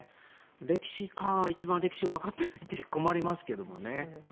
歴史家は一番歴史を分かってないと困りますけどね。